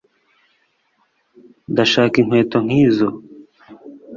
ndashaka inkweto nkizo